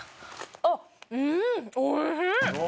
あっ、うん！おいしい。